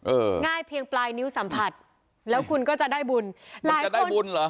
ง่ายเพียงปลายนิ้วสัมผัสแล้วคุณก็จะได้บุญคุณจะได้บุญเหรอ